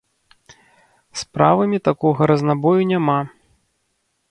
З правымі такога разнабою няма.